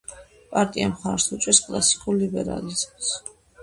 პარტია მხარს უჭერს კლასიკურ ლიბერალიზმს.